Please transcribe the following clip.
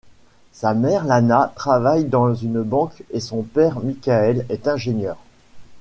Sa mère Lana travaille dans une banque et son père Michael est ingénieur.